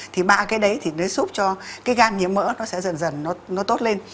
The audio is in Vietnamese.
thì ba cái đấy thì nó giúp cho gan nhiễm mỡ nó sẽ dần dần tốt lên